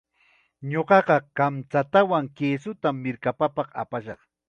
Ñuqaqa kamchatawan kisutam mirkapapaq apashaq.